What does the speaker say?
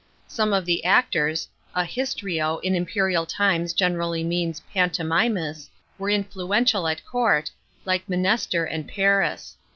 Some of the actors — a histrio in imperial times generally means pantomimus — were influential at court, like Mnester and Paris.